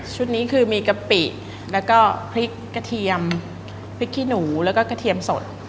นี้คือมีกะปิแล้วก็พริกกระเทียมพริกขี้หนูแล้วก็กระเทียมสด